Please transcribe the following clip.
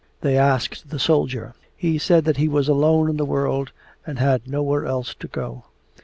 They asked the soldier. He said that he was alone in the world and had nowhere else to go.